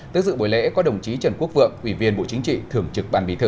tới dự buổi lễ có đồng chí trần quốc vượng ủy viên bộ chính trị thưởng trực ban bí thư